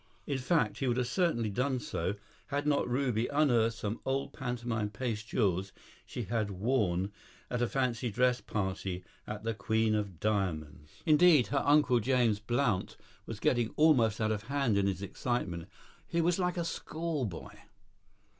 In fact he would certainly have done so, had not Ruby unearthed some old pantomime paste jewels she had worn at a fancy dress party as the Queen of Diamonds. Indeed, her uncle, James Blount, was getting almost out of hand in his excitement; he was like a schoolboy.